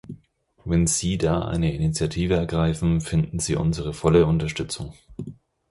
Wenn Sie da eine Initiative ergreifen, finden Sie unsere volle Unterstützung.